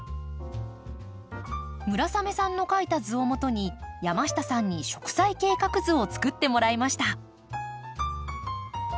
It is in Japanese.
村雨さんの描いた図をもとに山下さんに植栽計画図をつくってもらいました。